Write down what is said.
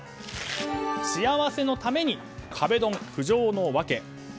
幸せのために壁ドン浮上の訳。